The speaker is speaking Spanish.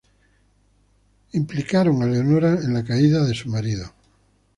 Leonora fue implicada en la caída de su marido.